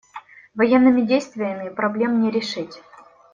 Военными действиями проблем не решить.